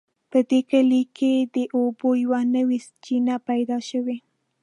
په دې کلي کې د اوبو یوه نوې چینه پیدا شوې